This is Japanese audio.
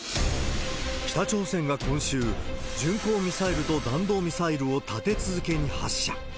北朝鮮が今週、巡航ミサイルと弾道ミサイルを立て続けに発射。